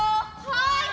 はい！